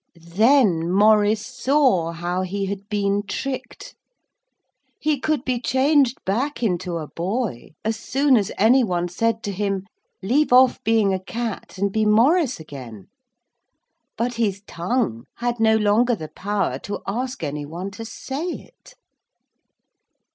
Then Maurice saw how he had been tricked. He could be changed back into a boy as soon as any one said to him, 'Leave off being a cat and be Maurice again,' but his tongue had no longer the power to ask any one to say it.